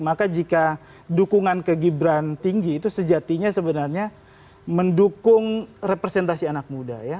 maka jika dukungan ke gibran tinggi itu sejatinya sebenarnya mendukung representasi anak muda ya